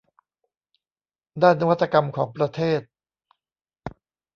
ด้านนวัตกรรมของประเทศ